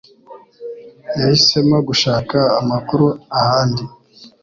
Yahisemo gushaka amakuru ahandi.